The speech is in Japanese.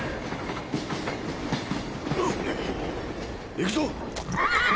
行くぞ！